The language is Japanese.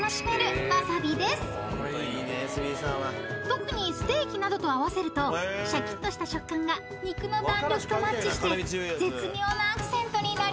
［特にステーキなどと合わせるとシャキっとした食感が肉の弾力とマッチして絶妙なアクセントになります］